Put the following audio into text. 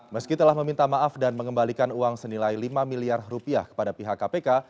meski telah meminta maaf dan mengembalikan uang senilai lima miliar rupiah kepada pihak kpk